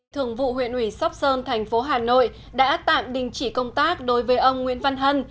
thường vụ huyện ủy sóc sơn thành phố hà nội đã tạm đình chỉ công tác đối với ông nguyễn văn hân